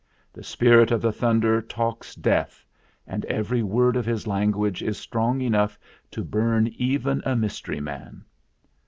The Spirit of the Thunder talks Death, and every word of his lan guage is strong enough to burn up even a mys tery man.